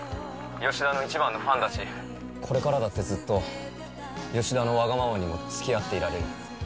吉田の一番のファンだし、これからだってずっと、吉田のわがままにもつきあっていられる。